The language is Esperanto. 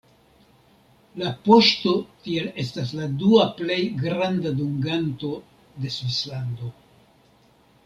La poŝto tiel estas la dua plej granda dunganto de Svislando.